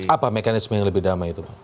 apa mekanisme yang lebih damai itu pak